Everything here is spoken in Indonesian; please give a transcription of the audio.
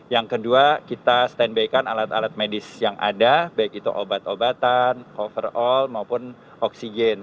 yang kedua kita stand by kan alat alat medis yang ada baik itu obat obatan overall maupun oksigen